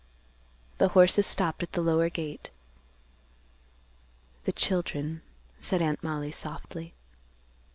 The horses stopped at the lower gate. "The children," said Aunt Mollie softly.